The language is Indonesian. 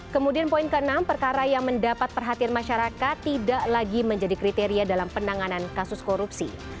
kemudian poin ke enam perkara yang mendapat perhatian masyarakat tidak lagi menjadi kriteria dalam penanganan kasus korupsi